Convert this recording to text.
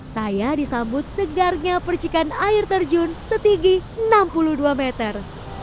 saya disambut segarnya percikan air terjun setinggi enam puluh dua meter